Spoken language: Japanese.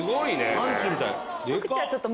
サンチュみたい。